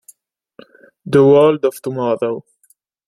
The World of Tomorrow